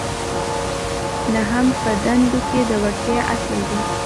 نهم په دندو کې د وړتیا اصل دی.